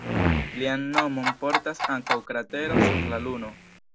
Lian nomon portas ankaŭ kratero sur la Luno.